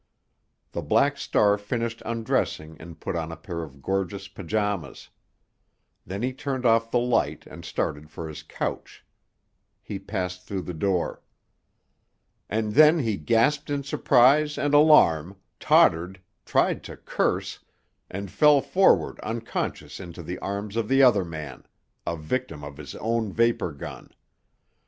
The Black Star finished undressing and put on a pair of gorgeous pajamas. Then he turned off the light and started for his couch. He passed through the door. And then he gasped in surprise and alarm, tottered, tried to curse, and fell forward unconscious into the arms of the other man, a victim of his own vapor gun.